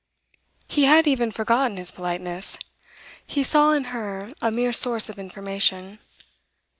He had even forgotten his politeness; he saw in her a mere source of information.